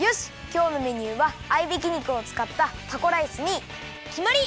きょうのメニューは合いびき肉をつかったタコライスにきまり！